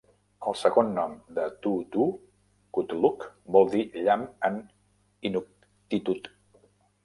El segon nom de Tootoo, "Kudluk", vol dir "llamp" en inuktitut.